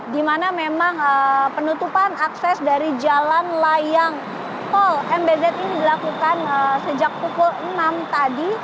di mana memang penutupan akses dari jalan layang tol mbz ini dilakukan sejak pukul enam tadi